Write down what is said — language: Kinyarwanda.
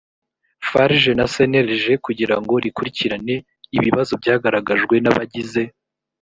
farg na cnlg kugira ngo rikurikirane ibibazo byagaragajwe n abagize